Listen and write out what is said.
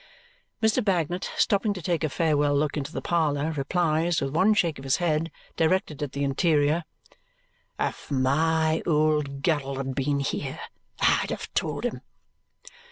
Mr. Bagnet, stopping to take a farewell look into the parlour, replies with one shake of his head directed at the interior, "If my old girl had been here I'd have told him!"